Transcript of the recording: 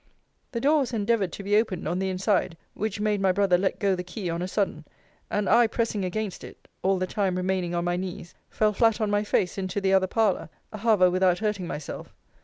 The door was endeavoured to be opened on the inside, which made my brother let go the key on a sudden; and I pressing against it, (all the time remaining on my knees,) fell flat on my face into the other parlour; however without hurting myself.